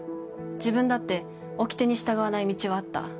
自分だっておきてに従わない道はあった。